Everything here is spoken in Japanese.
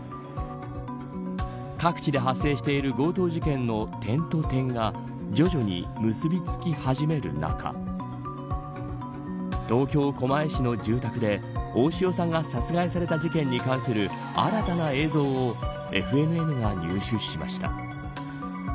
各地で発生してる強盗事件の点と点が徐々に結び付き始める中東京、狛江市の住宅で大塩さんが殺害された事件に関する新たな映像をＦＮＮが入手しました。